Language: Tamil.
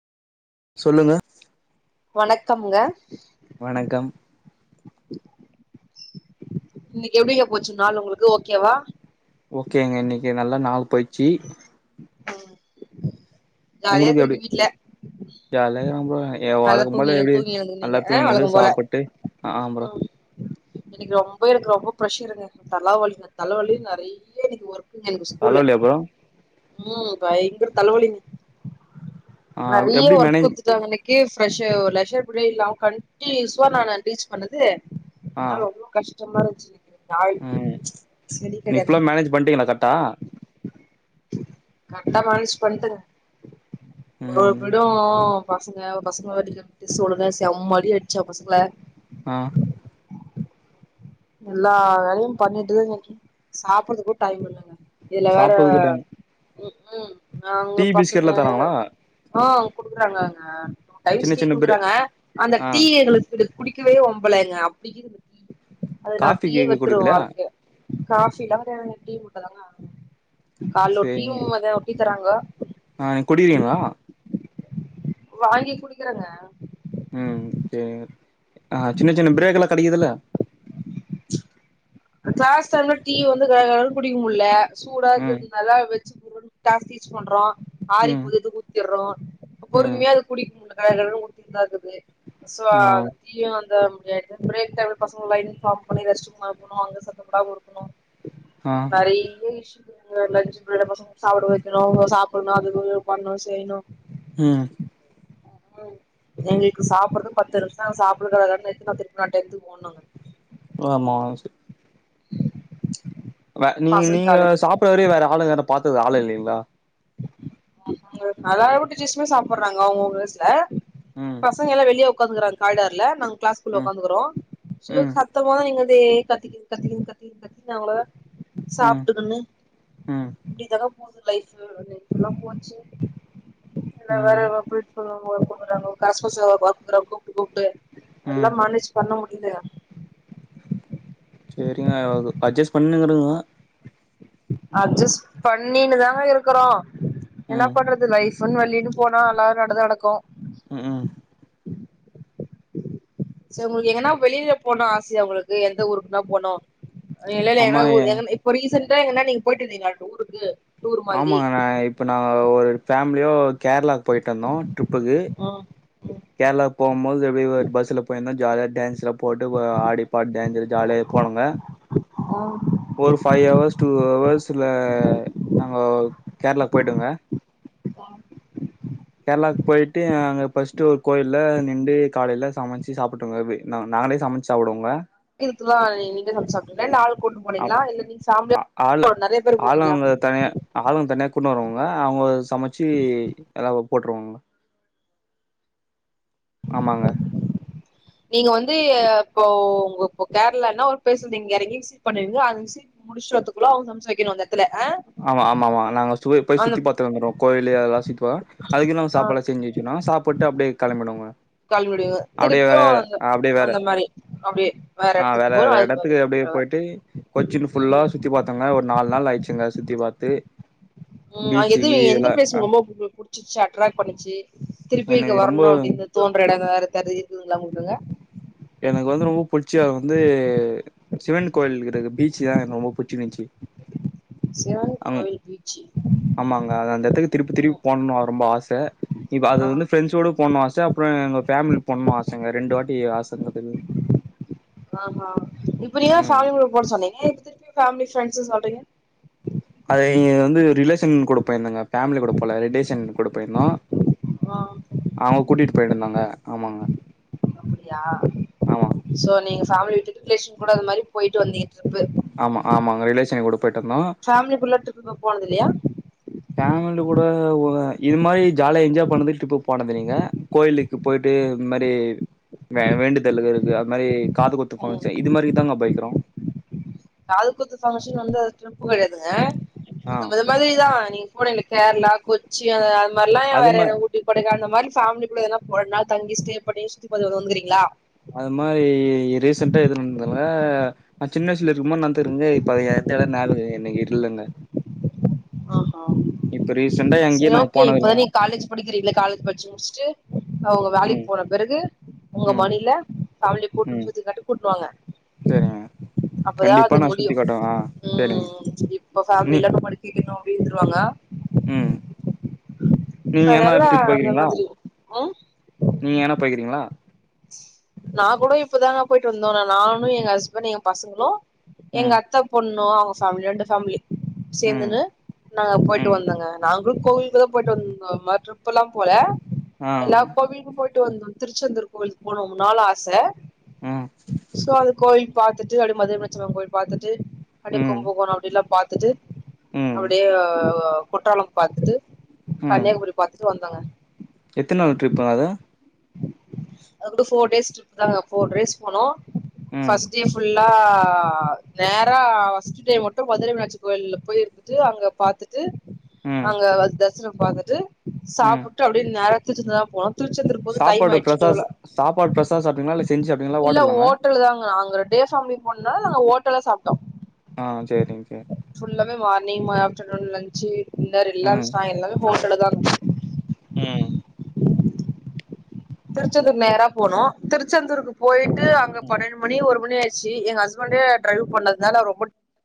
சொல்லுங்க வணக்கம்ங்க வணக்கம் இன்னிக்கு எப்டிங்க போச்சு நாள் உங்ளுக்கு ஓகே வா ஓகேங்க இன்னிக்கு நல்லா நாள் போய் ஆன் உங்ளுக்கு எப்டி ஜாலியா இருக்க போல ஏ நல்லா வழக்கம் தூங்கி போல எப்டி தூங்கி எழுந்துனீங்க நல்லா ஆ தூங்கி எழுந்து சாப்ட்டு அ ப்ரோ இன்னிக்கு ரொம்ப எனக்கு ரொம்ப பிரஷர்ருங்க தலவலிங்க தலவலி நெறய எனக்கு ஒரு எனக்கு ஸ்கூல்ல தலவலியா ப்ரோ ம் பயங்கர தலவலிங்க ஆ நெறைய எப்டி ஒர்க் மேனேஜ் குடுத் க்கு பிரஷ்ஷேர் லெஷர் பிரிடியட் இல்லமா கண்டியூசா நா ரீச் பண்ணது ஆ அதனால ரொம்ப கஷ்டமா இருந்துச்சி இந்த [unintelligible] செரி கெடையாதுங்க பண்டிங்ளா கரெக்டா கரெக்டா மேனேஜ் பண்ணீட்டேங்க ஒவ்வொரு ம் ப்ரிடு பசங்க பசங்கள [unintelligible] செம்ம அடி அச்சே பசங்ள அ எல்லா வேலையு பண்ணிட்டு சாப்ட்டுறதுக்கு கூட டைம் இல்லங்க இதுல வேற சாப்புறதுக்கு டைம் ம்க்ம் அங்க டீ பசங்க பிஸ்கெட்லா தராங்களா அ குடுக்குறாங்க சின்ன ஐஸ் டீ சின்ன பிரே குடுக்குறாங்க அந்த ஆ டீ எங்ளுக்கு குடிக்கவே வம்பலங்க அப்டி இக்குது காஃபி டீ கேக்கு வெறுத்துறுவோ குடுக்குதுல வாழ்க்கையில காபில்லா கெடயாதுங்க டீ மட்டு தாங்க காலைல ஒரு டீயு மதிய ஒரு டீயு தராங்க அ நீங்க குடுக்கீறிங்ளா வாங்கி குடிக்கிறங்க அ செரிங்க அ சின்ன சின்ன ப்ரேக் எல்லா கெடைக்குதுல்ல கிளாஸ் டைம்ல டீ வந்து கட கடனு குடிக்க முட்ல சூடா ம் இருக்குறதுனால வெச்சு போட்டு க்ளாஸ் டீச் பண்றோ ஆறி ம் போது ஊத்திறோ ம் பொறுமையா அது குடிக்க முட்ல கட கடனு ஊத்தினுதா இருக்குது சோ ஆ டீயு இந்த பிரேக் டைம்ல பசங்க லைன் ஃபார்ம் பண்ணி ரெஸ்ட் ரூம் அனுப்பனு அங்க சத்தம் போடாம இருக்கணு அ நெறைய இஸ்சு இருக்குங்க லஞ்சு அப்போ பசங்கள சாப்ட வைக்கணு அவுங்க சாப்பிடணு அதுக்கு பண்ணணு செய்யணு ம் ம் எங்களுக்கு சாப்ட்றது பத்து நிமிசோ சாப்ட்டு கட கடனு எடுத்து நா திருப்பி டென்த்துக்கு ஓட்னுங்க [unintelligible] வே நீ பசங்க நீங்க காலேஜ் சாப்ட்ற வரையு வேற ஆளுங்க யாரு பாத்துக்க ஆளே இல்லிங்ளா [unintelligible] சாப்ட்றாங்க அவுங்க அங்க பிலேஸ்ல ம் பசங்க எல்லா வெளிய உக்காந்துக்கறாங்க கார்னர்ல நாங்க கிளாஸ்குள்ள ம் உட்காந்துக்கறோ [unintelligible] ம் சுத்தமா எங்களுதே கத்திக்கினு கத்திக்கினு கத்திக்கினு கத்தி நாங்களே தா ம் சாப்ட்டுக்கினு ம் இப்டியேதாங்க போது லைஃப்பு லைஃப்ல்லா போச்சு இதுல வேற ம் றாங்க காசு காசக்கறாங்க கூப்பிட்டு கூப்பிட்டு எல்லா ம் மேனேஜ் பண்ண முடிலங்க சேரிங்க அட்ஜஸ்ட் பண்ணின்னிருங்கோ அட்ஜஸ் பண்ணின்னு தாங்க இருக்கறோ என்ன ம் பண்றது லைஃப் வேலைனு போனா எல்லா நல்லா தா நடக்கு ம்ஹூம் சேர் உங்ளுக்கு எங்கனா வெளில போனோ ஆசையா உங்களுக்கு எந்த ஊருக்குன்னா போனு எங்கனே அம்மா ஊர் என் இப்போ ரீசன்ண்டா எங்கன்னா நீங்க போயிட்டு இருந்தீங்களா டூருக்கு டூர் மாதிரி ஆமாங்கண்ண இப்போ நாங்கோ ஒரு ஃபேமிலியா கேரளாவுக்கு போய்ட்டு வந்தோ ட்ரிப்புக்கு ஆ கேரளா போம் போது எப்புடியோ ஒரு பஸ்ல போயிருந்தா ஜாலியா டான்ஸ்ல போட்டு ஆடி பாடி டேஞ்சர் ஜாலியா போனங்க ம் ஒரு ஃபைவ் ஹவர்ஸ் டூ ஹவர்ஸ்ல நாங்க கேரளா போய்டோங்க கேரளாக்கு போயிட்டு அங்க ஃபர்ஸ்ட் ஒரு கோயில்ல நின்டு காலையில சமைச்சு சாப்பிட்டுங்க நா நாங்களே சமைச்சி சாப்டுவுங்க இதுத்துதா இன்னிகே சமச்சு சாப்புட்டீங்களா இல்ல ஆளுகூட்ணு ஆ போனீங்களா இல்ல நீங்க ஆ ஆளு பேமிலியா நெறைய பேரு போனீங்களா ஆளுங்க தனியா ஆளுங்க தனியாக கூட்னு வருவாங்க அவங்க சமைச்சு எல்லாருக்கு போட்டுருவாங்க ஆமாங்க நீங்க வந்து இப்போ உங்க இ கேரளானா ஒரு பிளேஸ்ல நீங்க எறங்கி ஷிஃப்ட் பண்ணுவீங்க அந்த ஷிப் முடிச்சு வர்றதுகுகுள்ள அவ்ங்க சமச்சு வெக்கணு அத ஆமா ஆமா ஆமா நாங்க சு போய் அந்த சுத்தி பாத்துட்டு வந்துடுவோ கோயிலு அதெல்லா சுத்திப்பா அதுக்குள்ள அவ்ங்க ஆ சாப்பாடு எல்லா செஞ்சி வெக் கணு சாப்புட்டு அப்டியே கெளம்பிடுவங்க கால் முடிவு அப்புடியே திருப்பியு வேற அந்த அப்புடியே வேற அந்த மாரி அப்டியே ஆ வேற எடத்துக்கு போறோ வேற அது மாரி எடத்துக்கு அப்புடியே போயிட் ட்டு கொச்சின் ஃபுல்லா ம் சுத்தி பாத்தோங்க ஒரு நாலு நாள் ஆயிச்சுங்க சுத்தி பாத்து ம் எது பீச்சுக்கு எந்த இதெல்லா ப்ளேஸ் ஆ ரொம்ப புடிக்கு புடிச்சுச்சு அட்ராக்ட் பண்ணிச்சு திருப்பி இங்க எனக்கு வரணு ரொம்ப அப்டின்னு தோன்ற எடங்க வேற தெர இருக்குதுங்கள உங்களுக்குங்க எனக்கு வந்து ரொம்ப பிடிச்ச எடம் வந்து சிவன் கோயில் இருக்கற பீச்சு தாங்க எனக்கு ரொம்ப புடிச்சி இருஞ்ச்சி சிவன் கோவில் பீச்சி ஆமாங்க அது அந்த எடத்துக்கு திருப்பி திருப்பி போணுனு ரொம்ப ஆச இப்ப அது ஆ வந்து ஃப்ரெண்ட்ஸோட போணுனு ஆச அப்புறோ எங்க பேமிலி போணுனு ஆசங்க ரெண்டு வாட்டி ஆச இருந்துது ஆஹா இப்ப நீங்க ம் [unintelligible] சொன்னீங்க இப்ப திருப்பியு பேமலி ஃப்ரெண்டஸ் சொல்றீங்க அது இங்க வந்து ரிலேஷன் கூட போயிருந்தங்க ஃபேமிலி கூட போல ரிலேஷன் கூட போயிருந்தோ ஆ அவ்ங்க கூட்டிட்டு போயிடு இருந்தாங்க ஆமாங்க அப்டியா ஆமா சோ நீங்க ஃபேமலிய விட்டுட்டு ரிலேஷன் கூட அது மாரி போயிட்டு வந்தீங்க ட்ரிப்பு ஆமா ஆமாங்க ரிலேஷன் கூட போயிட்டு வந்தோ பேமிலிகுள்ளன்டு இப்ப போனது இல்லையா ஃபேமிலி கூட ஒ இது மாரி ஜாலியா என்ஜாய் பண்ணது ட்ரிப்பு போனது இல்லைங்க கோயிலுக்கு போயிட்டு இந்த மாரி வே வேண்டுதல்லு இருக்கு அது மாரி காது குத்து ம் பங்க்ஷன் இது மாதிரிதாங்க போய்க்கிறோ காது குத்து பங்க்ஷன் வந்து அது ட்ரிப் கெடையாதுங்க ஆ [unintelligible] மாரிதா நீங்க போனீங்க கேரளா கொச்சி அது அது மாரில்லா ஏ அது வேற மா ஊ ட்டி கொடைகானல் அந்த மாரி பேமிலிகுள்ள எதனா ஒரு நாள் தங்கி ஸ்டே பண்ணி சுத்தி பாத்துட்டு வந்துக்கீங்களா அது மாரி ரீசன்ட்ட எது நடந்ததில்ல நா சின்ன வயசுல இருக்கும்போது நடந்துருக்குங்க இப்போ அதைய [unintelligible] நேர இல்லீங்க இன்னைக்கி [unintelligible] ல்லீங்க ஆஹா இப்ப ரீசெண்டா செரி எங்கயு நா ஓகே இப்பதா போனதில்ல நீ காலேஜ் படிக்கிறீங்கள காலேஜ் படிச்சு முடிச்சுட்டு அவ்ங்க வேலைக்கு ம் போன பிறகு உங்க ம் மணில ஃபேமிலிய கூட்டு ம் சுத்திக்காட்டி கூட்டுவாங்க சேரிங்க அப்பதா கண்டிப்பா அது நா முடியு சுத்தி காட்டுவே ஆ சேரிங்க ம் இப்ப நீ ஃபேமிலல்லா என்னமாரி இன்னு அப்டியே இருந்துருவாங்க ம் நீங்க எதனா அதனால ட்ரிப் அந்த போய்க்கிறீங்களா மாதிரி ம் நீங்க எங்கன போயக்கிறீங்களா நா கூட இப்பதாங்க போயிட்டு வந்தோ நானு எங்க ஹஸ்பண்டு எங்க பசங்களு எங்க ம் அத்த பொண்ணு அவங்க பேமிலி ரெண்டு பேமிலி ம் சேந்துன்னு நாங்க போயிட்டு ம் வந்தோங்க நாங்களு கோவிலுக்குதா போயிட்டு வந்த மா ட்ரிப் எல்லா போல ஆ எல்லா கோவிலுக்கும் போயிட்டு வந்தோ திருச்செந்தூர் கோவிலுக்கு போனோம் ரொம்பனால் ஆச ம் சோ அந்த கோயில் பார்த்துட்டு அடி மதுர மீனா ட்சியம்மன் கோயில் பார்த்துட்டு அப்டியே ம் கும்பகோணம் அப்டில்லா பாத்துட்டு ம் அப்டியே குற்றாளம் பாத்துட்டு கன்னியாகுமரி பார்த்துட்டு வந்தோங்க எத்தின் நாள் ட்ரிப்புங்க அது அதுவந்து போர் டேஸ் ட்ரிப் நாங்க போர் டேஸ் போனோ ம் பஸ்ட் டே புல் லா நேரா பஸ்ட் டே மட்டும் மதுரை மீனாட்சி கோயில்ல போயி இருந்ட்டு அங்க பாத்துட்டு ம் அங்க தரிசனம் பார்த்துட்டு ம் சாப்புட்டு அப்டியே நேரா திருச்செந்தூர்தா போனோ திருச்செந்தூர் சாப்பாடு பிரசா டைமாயிடுச்சுட்டுல சாப்பாடு பிரசா சாப்ட்டீங்களா இல்ல செஞ்சு சாப்ட்டீங்களா இல்ல ஹோட்டல்லாங்க ஓட்டலு தாங்க அங்க டேஸாமி ஒன்னா நாங்க ஹோட்டல்ல சாப்ட்டோ ஆஹ் சேரிங்க சேரிங் ஃபுல்லாமே மார்னிங் மா ஆப்டர்நூன் லன்ஞ்சு டின்னர் எல்லாமே ம் சா எல்லாமே ஹோட்டல தாங்க ம் திருச்செந்தூர் நேர போனோ திருச்செந்தூருக்கு போயிட்டு அங்க ம் பன்னெண்டு மணி ஒரு மணியாயிச்சி எங் ஹஸ்பண்டே ட்ரைவ் பண்ணதுனால ரொம்ப